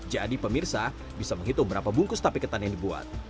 jadi pemirsa bisa menghitung berapa bungkus tape ketan yang dibuat